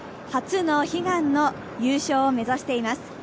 初の悲願の優勝を目指しています。